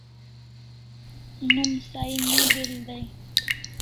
Nom sahi ne del dai